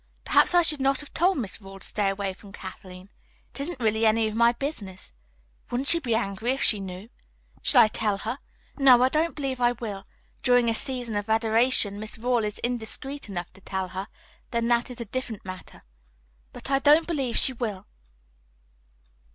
Perhaps I should not have told Miss Rawle to stay away from Kathleen. It isn't really any of my business. Wouldn't she be angry if she knew? Shall I tell her? No, I don't believe I will. If, during a season of adoration, Miss Rawle is indiscreet enough to tell her, then that is a different matter. But I don't believe she will."